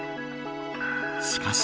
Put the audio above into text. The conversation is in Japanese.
しかし。